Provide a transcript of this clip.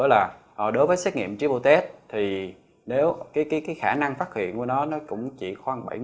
đó là đối với cái xét nghiệm triple test thì nếu cái khả năng phát hiện của nó cũng chỉ khoảng bảy mươi